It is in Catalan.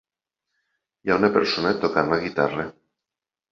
Hi ha una persona tocant la guitarra.